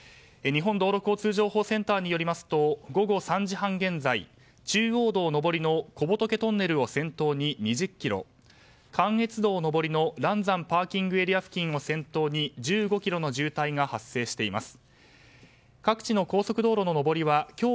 日本道路交通情報センターによりますと午後３時半現在中央道上りの小仏トンネルを先頭に２０ｋｍ関越道上りの嵐山ＰＡ付近を先頭に１５ｋｍの渋滞が発生しています。